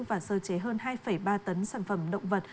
và sơ chế hơn hai ba tấn sản phẩm động vật